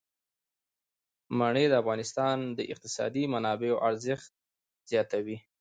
منی د افغانستان د اقتصادي منابعو ارزښت زیاتوي.